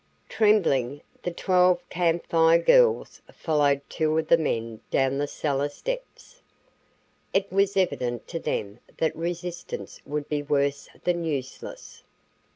Tremblingly the twelve Camp Fire Girls followed two of the men down the cellar steps. It was evident to them that resistance would be worse than useless.